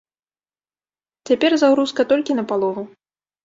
Цяпер загрузка толькі на палову.